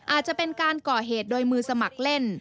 อาจจะเป็นการก่อเหตุโดยมือสมัครเล่น